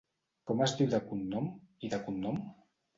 Com es diu de cognom, i de cognom?